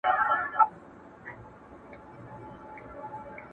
د عشق له فیضه دی بل چا ته یې حاجت نه وینم.